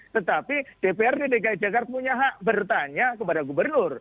tetapi dprd dki jakarta punya hak bertanya kepada gubernur